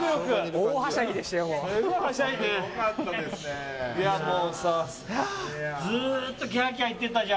大はしゃぎでしたよ、もう。